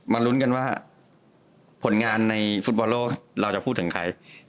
ลุ้นกันว่าผลงานในฟุตบอลโลกเราจะพูดถึงใคร